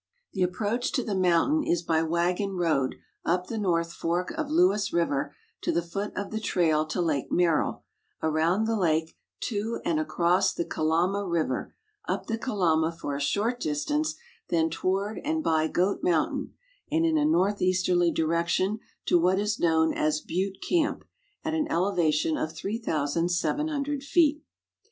The approach to the mountain is by wa,<,fon road up the north fork of Lewis river to the foot of the trail to Lake Merrill, around the lake to and across the Kalama river, up the Kalama for a short distance, then toward and by Goat mountain and in a northeasterly direction to what is known as JUitte camp, at an elevation of 3,700 feet.